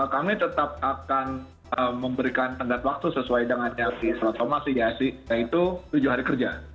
kami tetap akan memberikan pendat waktu sesuai dengan si seluruh somasi yaitu tujuh hari kerja